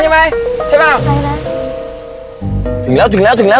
เฮ้ยหินึงไงถึงแล้วใช่มั้ย